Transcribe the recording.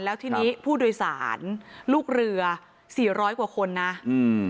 แล้วทีนี้ผู้โดยสารลูกเรือสี่ร้อยกว่าคนนะอืม